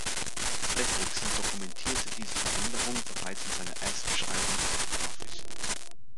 Fredrickson dokumentierte diese Veränderung bereits in seiner Erstbeschreibung photographisch.